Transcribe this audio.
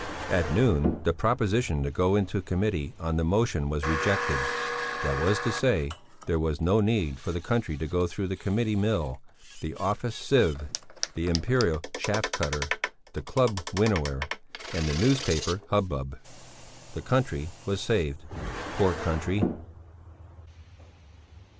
At noon the proposition to go into Committee on the motion was rejected; that was to say, there was no need for the country to go through the Committee mill, the office sieve, the Imperial chaff cutter, the club winnower and the newspaper hubbub. The country was saved. Poor country!